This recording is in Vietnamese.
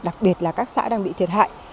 đặc biệt là các xã đang bị thiệt hại